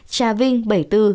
trà vinh bảy mươi bốn